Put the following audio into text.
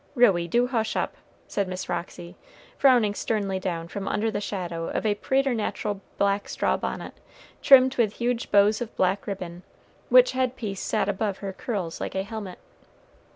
"Ruey, do hush up," said Miss Roxy, frowning sternly down from under the shadow of a preternatural black straw bonnet, trimmed with huge bows of black ribbon, which head piece sat above her curls like a helmet.